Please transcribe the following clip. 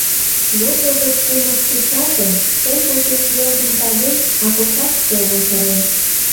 Ложо гыч кумык кечалтын, сем почеш йолжым тавен, Акошат совым кырен.